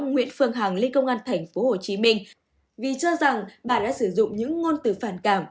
nguyễn phương hằng lên công an tp hcm vì cho rằng bà đã sử dụng những ngôn từ phản cảm